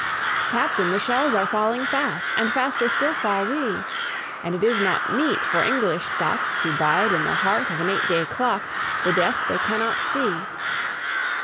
"Captain, the shells are falling fast, And faster still fall we; And it is not meet for English stock, To bide in the heart of an eight day clock, The death they cannot see."